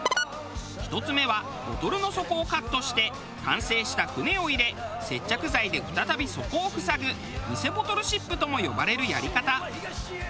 １つ目はボトルの底をカットして完成した船を入れ接着剤で再び底を塞ぐ偽ボトルシップとも呼ばれるやり方。